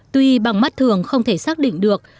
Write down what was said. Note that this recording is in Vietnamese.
tuy bằng mắt thường không thể xác định được